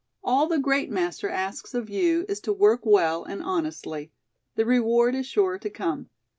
All the Great Master asks of you is to work well and honestly. The reward is sure to come.